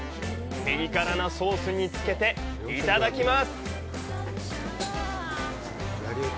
ピリ辛なソースにつけていただきます！